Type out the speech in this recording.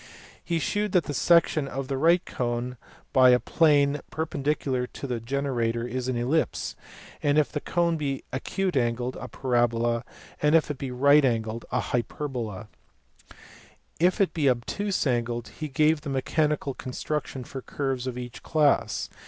He shewed that the section of a right cone by a plane perpen dicular to a generator is an ellipse, if the cone be acute angled ; a parabola, if it be right angled ; and a hyperbola, if it be obtuse angled ; and he gave a mechanical construction for curves of each class.